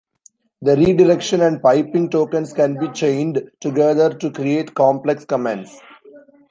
The redirection and piping tokens can be chained together to create complex commands.